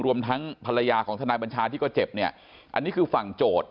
รวมทั้งภรรยาของทนายบัญชาที่ก็เจ็บเนี่ยอันนี้คือฝั่งโจทย์